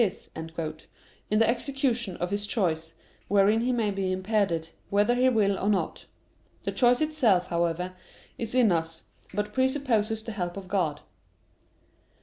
4: "Man's way" is said "not to be his" in the execution of his choice, wherein he may be impeded, whether he will or not. The choice itself, however, is in us, but presupposes the help of God.